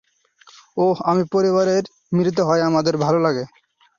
ওহ, আমি পরিবারের মিলিত হওয়া আমার ভালো লাগে।